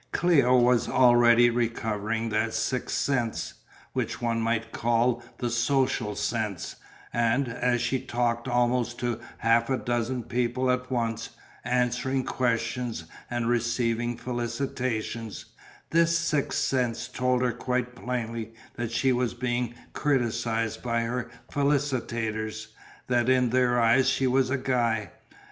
Cléo was already recovering that sixth sense, which one might call the social sense, and, as she talked almost to half a dozen people at once, answering questions and receiving felicitations, this sixth sense told her quite plainly that she was being criticised by her felicitators, that in their eyes she was a guy.